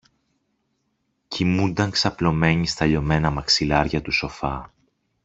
κοιμούνταν ξαπλωμένη στα λιωμένα μαξιλάρια του σοφά